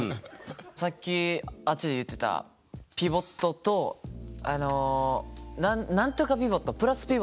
さっきあっちで言ってたピボットとあのなんとかピボットプラスピボット？